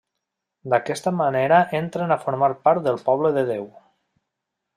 D'aquesta manera entren a formar part del poble de Déu.